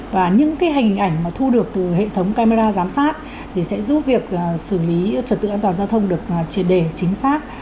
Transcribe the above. và những hình ảnh thu được từ hệ thống camera giám sát thì sẽ giúp việc xử lý trật tự an toàn giao thông được triệt để chính xác